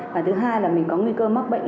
và thứ hai là mình có nguy cơ mắc bệnh